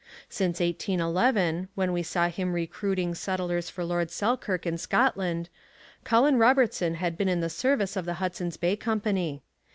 Since 1811, when we saw him recruiting settlers for Lord Selkirk in Scotland, Colin Robertson had been in the service of the Hudson's Bay Company.